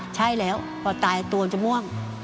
ใช่แล้วพอตายตัวมันจะม่วง